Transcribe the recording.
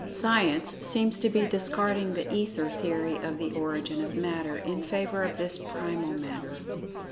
Science seems to be discarding the Ether the[Pg 66]ory of the Origin of Matter, in favor of this "Primal Matter."